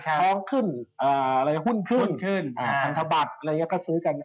ท้องขึ้นหุ้นขึ้นขึ้นพันธบัตรอะไรอย่างนี้ก็ซื้อกัน